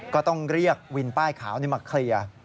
ก็ต้องเรียกวินป้ายขาวมาเคลียร์